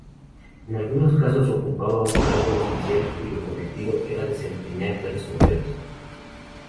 En algunos casos ocupaba un cargo oficial cuyo cometido era desempeñar tales funciones.